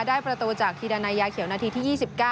ได้ประตูจากธีดานายยาเขียวนาทีที่๒๙